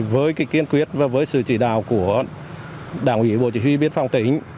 với kiên quyết và với sự chỉ đạo của đảng ủy bộ chỉ huy biên phòng tỉnh